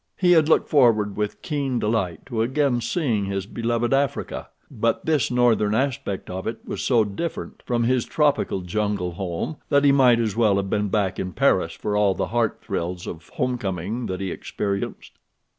He had looked forward with keen delight to again seeing his beloved Africa, but this northern aspect of it was so different from his tropical jungle home that he might as well have been back in Paris for all the heart thrills of homecoming that he experienced.